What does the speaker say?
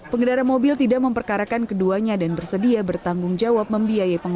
pengedara mobil tidak memperkarakan keduanya dan bersedia bertanggung jawab membiayai pengobatan keduanya